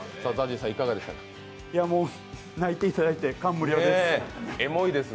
いや、もう泣いていただいて感無量です。